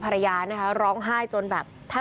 พวกมันต้องกินกันพี่